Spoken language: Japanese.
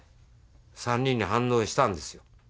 ３人に反応したんですよ。